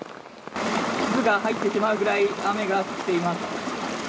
靴が入ってしまうぐらい雨が来ています。